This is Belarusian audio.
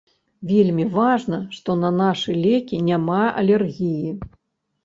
Вельмі важна, што на нашы лекі няма алергіі.